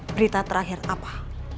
berita terakhir apa